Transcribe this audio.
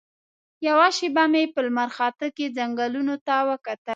یوه شېبه مې په لمرخاته کې ځنګلونو ته وکتل.